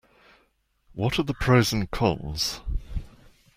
What are the pros and cons?